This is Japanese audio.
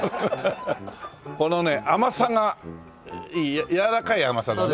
このね甘さがやわらかい甘さだね。